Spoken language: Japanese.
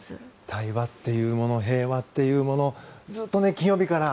対話っていうもの平和っていうものずっと金曜日から。